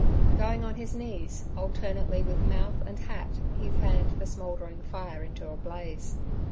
Going on his knees, alternately with mouth and hat he fanned the smouldering fire into a blaze.